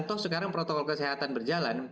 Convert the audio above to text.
toh sekarang protokol kesehatan berjalan